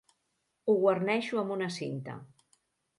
Ho guarneixo amb una cinta.